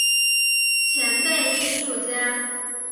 前辈艺术家